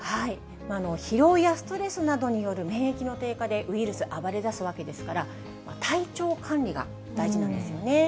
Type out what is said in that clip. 疲労やストレスなどによる免疫の低下でウイルス暴れだすわけですから、体調管理が大事なんですよね。